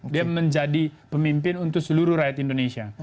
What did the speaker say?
dia menjadi pemimpin untuk seluruh rakyat indonesia